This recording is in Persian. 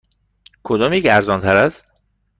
کدامیک ارزان تر است؟